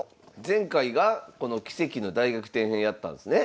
前回がこの「奇跡の大逆転編」やったんですね。